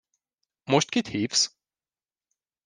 Most kit hívsz?